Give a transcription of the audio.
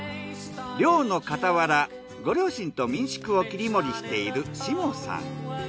漁のかたわらご両親と民宿を切り盛りしている下さん。